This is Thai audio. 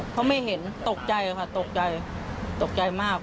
เขาไม่เห็นตกใจค่ะตกใจตกใจมาก